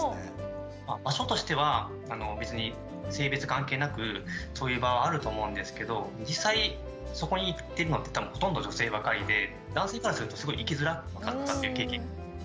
場所としては別に性別関係なくそういう場はあると思うんですけど実際そこに行ってるのって多分ほとんど女性ばかりで男性からするとすごい行きづらかったっていう経験が。